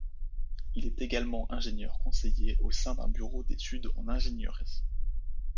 Il est également ingénieur conseiller au sein d'un bureau d'études en ingénierie.